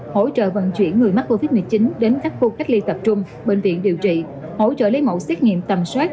hỗ trợ vận chuyển người mắc covid một mươi chín đến các khu cách ly tập trung bệnh viện điều trị hỗ trợ lấy mẫu xét nghiệm tầm soát